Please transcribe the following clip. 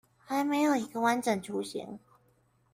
還沒有一個完整的雛型